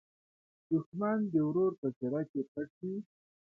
دښمن د ورور په څېره کې پټ وي